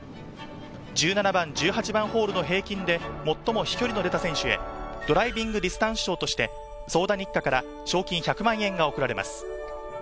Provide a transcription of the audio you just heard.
１７番、１８番ホールの平均で最も飛距離の出た選手へ、ドライビングディスタンス賞として、ソーダニッカから賞金１００万円が贈られます。